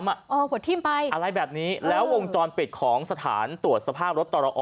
หัวทิ้มไปอะไรแบบนี้แล้ววงจรปิดของสถานตรวจสภาพรถตรอ